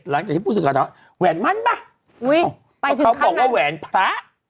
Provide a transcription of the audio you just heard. หลังจากที่พูดสึกกับเขาแหวนมันป่ะเขาบอกว่าแหวนพระ